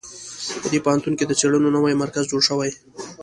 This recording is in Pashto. په دې پوهنتون کې د څېړنو نوی مرکز جوړ شوی